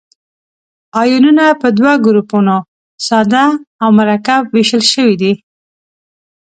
آیونونه په دوه ګروپو ساده او مرکب ویشل شوي دي.